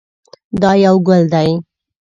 دا یو ګل دی.